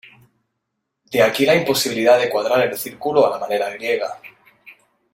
De aquí la imposibilidad de cuadrar el círculo a la manera griega.